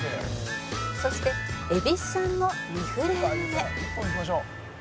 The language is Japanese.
「そして蛭子さんの２フレーム目」